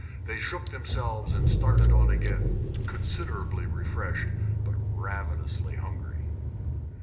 They shook themselves and started on again, considerably refreshed, but ravenously hungry.